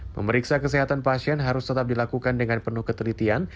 pemeriksa kesehatan pasien harus tetap dilakukan dengan penuh ketelitian